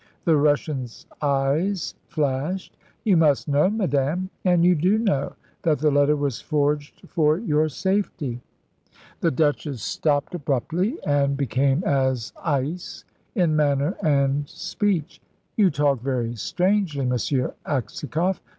The Russian's eyes flashed. "You must know, madame, and you do know, that the letter was forged for your safety." The Duchess stopped abruptly, and became as ice in manner and speech. "You talk very strangely M. Aksakoff.